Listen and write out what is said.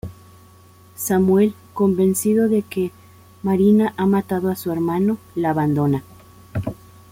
Samuel, convencido de que Marina ha matado a su hermano, la abandona.